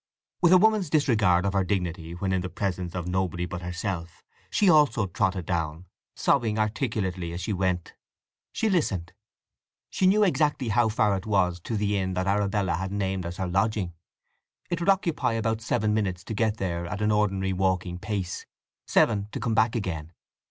With a woman's disregard of her dignity when in the presence of nobody but herself, she also trotted down, sobbing articulately as she went. She listened. She knew exactly how far it was to the inn that Arabella had named as her lodging. It would occupy about seven minutes to get there at an ordinary walking pace; seven to come back again.